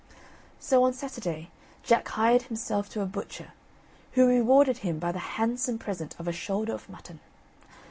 So on Saturday, Jack hired himself to a butcher, who rewarded him by the handsome present of a shoulder of mutton.